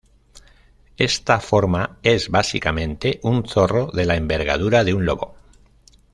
Esta forma es básicamente un zorro de la envergadura de un lobo.